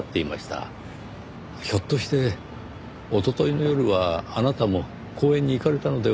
ひょっとしておとといの夜はあなたも公園に行かれたのでは？